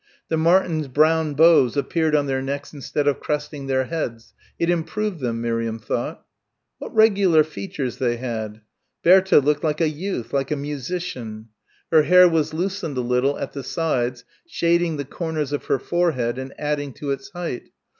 The Martins' brown bows appeared on their necks instead of cresting their heads it improved them, Miriam thought. What regular features they had. Bertha looked like a youth like a musician. Her hair was loosened a little at the sides, shading the corners of her forehead and adding to its height.